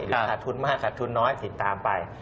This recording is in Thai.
ขาดทุนมากขาดทุนน้อยติดตามไป